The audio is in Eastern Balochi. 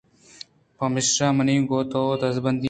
پمیشا منی گوں تو دزبندی اِنت